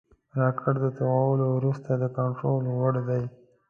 راکټ د توغولو وروسته د کنټرول وړ دی